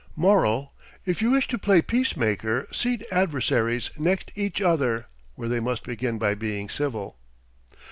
Moral: If you wish to play peace maker, seat adversaries next each other where they must begin by being civil.